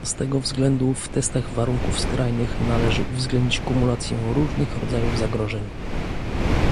Z tego względu w testach warunków skrajnych należy uwzględnić kumulację różnych rodzajów zagrożeń